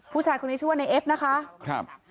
ผู้ชายคนนี้ชื่อว่าในเอฟนะคะครับ